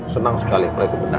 senang sekali kalau itu benar